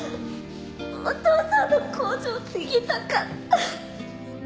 お父さんの工場継ぎたかった！